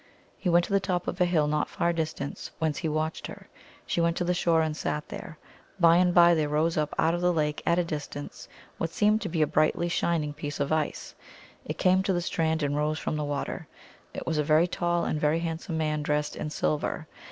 He went to the top of a hill not far distant, whence he watched her. She went to the shore, and sat there. By and by there rose up out of the lake, at a distance, what seemed to be a brightly shining piece of ice. It came to the strand and rose from the water. It was a very tall and very hand some man, dressed in silver.